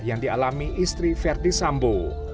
yang dialami istri verdi sambo